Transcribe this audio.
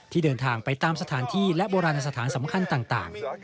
เดินทางไปตามสถานที่และโบราณสถานสำคัญต่าง